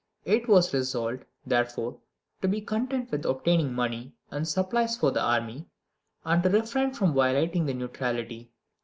It was resolved, therefore, to be content with obtaining money and supplies for the army, and to refrain from violating the neutrality.